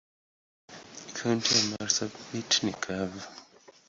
Kaunti ya marsabit ni kavu.